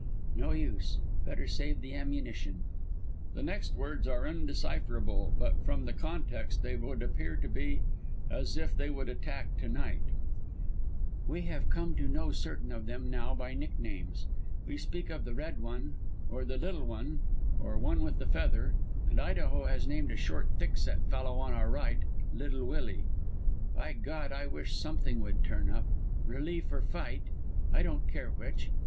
No use; better save the ammunition. It looks...." [the next words are undecipherable, but from the context they would appear to be "as if they would attack to night"]"...we have come to know certain of them now by nicknames. We speak of the Red One, or the Little One, or the One with the Feather, and Idaho has named a short thickset fellow on our right 'Little Willie.' By God, I wish something would turn up relief or fight. I don't care which.